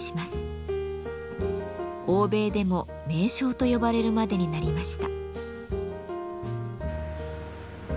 欧米でも名匠と呼ばれるまでになりました。